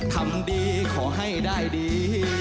ทำดีขอให้ได้ดี